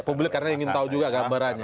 publik karena ingin tahu juga gambarannya